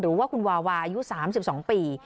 หรือว่าคุณวาวาอายุ๓๒ปี